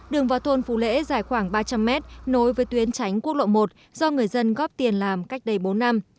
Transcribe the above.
đường vào thôn phú lễ dài khoảng ba trăm linh mét nối với tuyến tránh quốc lộ một do người dân góp tiền làm cách đây bốn năm